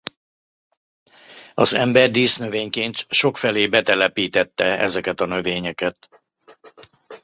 Az ember dísznövényként sokfelé betelepítette ezeket a növényeket.